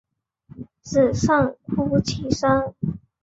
只剩哭泣声